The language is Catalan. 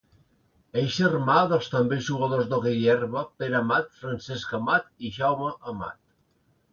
És germà dels també jugadors d'hoquei herba Pere Amat, Francesc Amat i Jaume Amat.